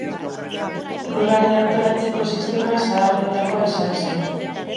Lurraldea antolatzeko sistema zaharrenetakoa izan zen.